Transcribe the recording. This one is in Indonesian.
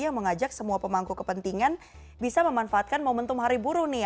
yang mengajak semua pemangku kepentingan bisa memanfaatkan momentum hari buruh nih